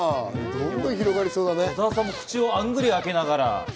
小澤さんも口をあんぐり開けながら。